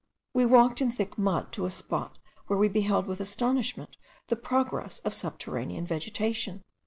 We walked in thick mud to a spot where we beheld with astonishment the progress of subterranean vegetation.